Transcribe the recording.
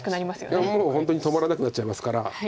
もう本当に止まらなくなっちゃいますから。